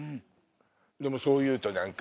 でもそう言うと何か。